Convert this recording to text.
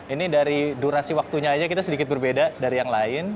ini dari durasi waktunya aja kita sedikit berbeda dari yang lain